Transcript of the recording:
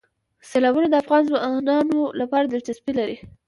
سیلابونه د افغان ځوانانو لپاره دلچسپي لري.